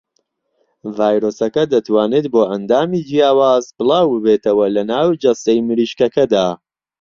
ڤایرۆسەکە دەتوانێت بۆ ئەندامی جیاواز بڵاوببێتەوە لە ناو جەستەی مریشکەکەدا.